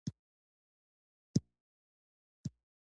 سوالګر ته ماشومتوب نه دی پاتې شوی